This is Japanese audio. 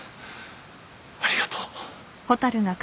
ありがとう。